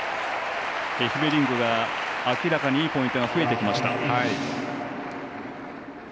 エフベリンクが明らかにいいポイントが増えてきました。